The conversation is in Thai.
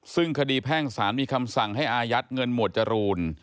ซึ่งคดีแพ่งสารมีคำสั่งให้อายัดเงินหมวดจรูน